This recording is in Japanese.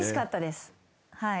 はい。